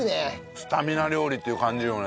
スタミナ料理っていう感じよね。